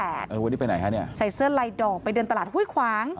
วันนี้ไปไหนคะเนี่ยใส่เสื้อลายดอกไปเดินตลาดห้วยขวาง